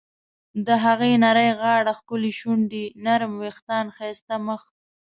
د هغې نرۍ غاړه، ښکلې شونډې ، نرم ویښتان، ښایسته مخ..